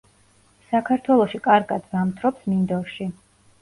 საქართველოში კარგად ზამთრობს მინდორში.